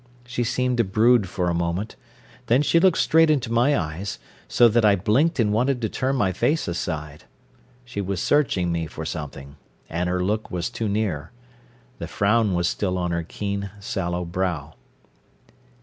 She seemed to brood for a moment. Then she looked straight into my eyes, so that I blinked and wanted to turn my face aside. She was searching me for something and her look was too near. The frown was still on her keen, sallow brow.